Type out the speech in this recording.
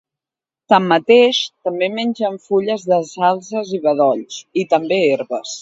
Tanmateix, també mengen fulles de salzes i bedolls, i també herbes.